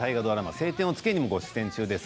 「青天を衝け」にご出演中です。